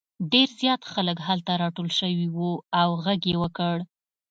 ډېر زیات خلک هلته راټول شوي وو او غږ یې وکړ.